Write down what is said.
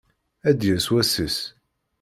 Ad d-yas wass-is.